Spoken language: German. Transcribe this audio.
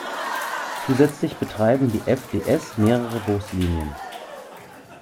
Zusätzlich betreiben die FdS mehrere Buslinien.